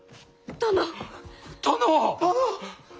殿！